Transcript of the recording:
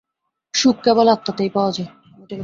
সুখ কেবল আত্মাতেই পাওয়া যায়।